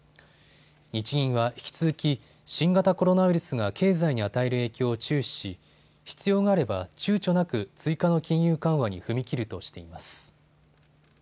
日銀は引き続き新型コロナウイルスが経済に与える影響を注視し必要があればちゅうちょなく追加の金融緩和に踏み切るとしています。